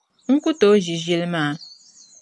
N ku tooi ʒi ʒili maa.